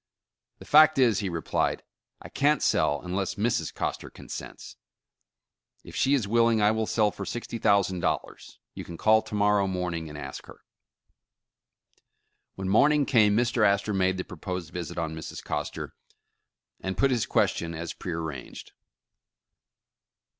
''The fact is," he replied, "I can't sell unless Mrs. Coster consents. If she is willing, I will sell for sixty thousand dollars. You can call to morrow morning and ask her." When morning came Mr. Astor made the proposed visit on Mrs. Coster, and put his question, as prear ranged.